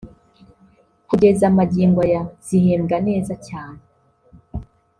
kugeza magingo aya zihembwa neza cyane